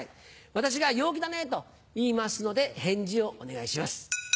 私が「陽気だね！」と言いますので返事をお願いします。